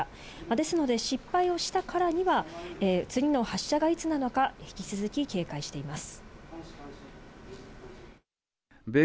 ですので失敗をしたからには、次の発射がいつなのか、引き続き警戒しています。